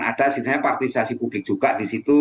ada sisanya partisipasi publik juga di situ